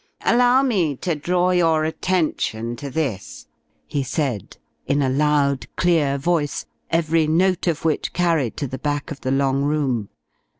"Allow me to draw your attention to this," he said, in a loud, clear voice, every note of which carried to the back of the long room.